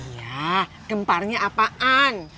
iya gemparnya apaan